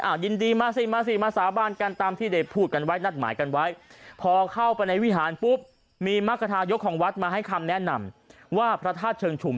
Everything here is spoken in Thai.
อ่ายินดีมาสิมาสาบานกันตามที่เดพพูดกันไว้นัดหมายกันไว้